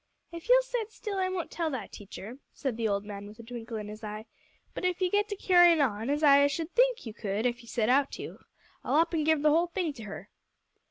"Ef you'll set still, I won't tell that teacher," said the old man with a twinkle in his eye, "but ef you get to carryin' on, as I should think you could ef you set out to, I'll up an' give the whole thing to her."